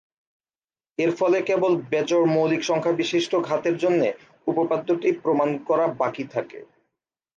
এর ফলে কেবল বেজোড় মৌলিক সংখ্যা বিশিষ্ট ঘাতের জন্যে উপপাদ্যটি প্রমাণ করা বাকি থাকে।